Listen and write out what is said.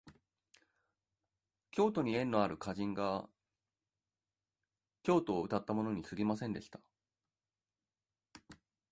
京都に縁のある歌人が京都をうたったものにすぎませんでした